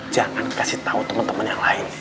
jangan kasih tahu teman teman yang lain